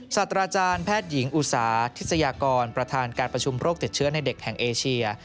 ศาสตราจารย์แพทย์หญิงอุตสาธิสยากรประธานการประชุมโรคติดเชื้อในเด็กแห่งเอเชีย